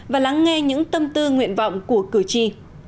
và lắng nghe những tâm tư nguyện vọng của cử tri